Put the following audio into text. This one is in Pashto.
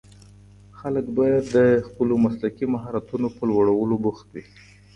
خلګ به د خپلو مسلکي مهارتونو په لوړولو بوخت وي.